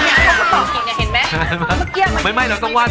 ลุงก็ตอบเงียบไงเห็นไหม